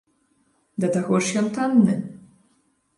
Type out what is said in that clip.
Да таго ж ён танны.